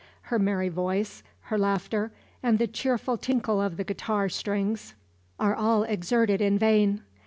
Her merry voice, her laughter, and the cheerful tinkle of the guitar strings, are all exerted in vain.